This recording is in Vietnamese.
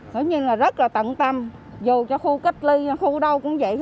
thấu nhiên là rất là tận tâm dù cho khu cách ly khu đâu cũng vậy